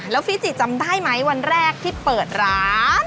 แล้วฟิจิจำได้ไหมวันแรกที่เปิดร้าน